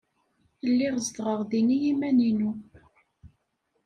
Lliɣ zedɣeɣ din i yiman-inu.